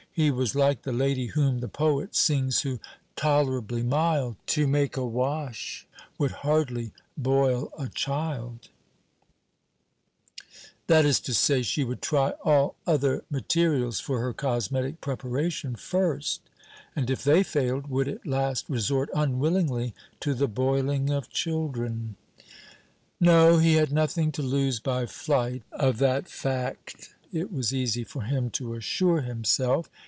He was like the lady whom the poet sings, who, "tolerably mild, To make a wash would hardly boil a child:" that is to say, she would try all other materials for her cosmetic preparation first; and if they failed, would at last resort, unwillingly, to the boiling of children. No; he had nothing to lose by flight of that fact it was easy for him to assure himself.